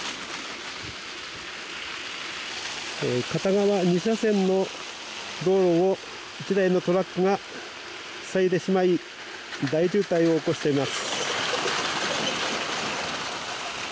片側２車線の道路を１台のトラックが塞いでしまい大渋滞を起こしています。